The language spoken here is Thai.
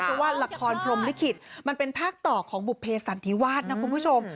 เพราะว่าละครพรมลิขิตมันเป็นภาคต่อของบุภเพสันนิวาสนะคุณผู้ชม